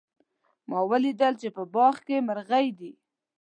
ما ولیدل چې په باغ کې مرغۍ دي